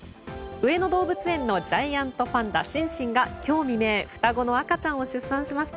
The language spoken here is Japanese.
上野動物園のジャイアントパンダ、シンシンが今日未明、双子の赤ちゃんを出産しました。